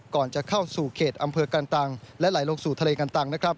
ก่อนจะเข้าสู่เขตอำเภอกันตังและไหลลงสู่ทะเลกันตังนะครับ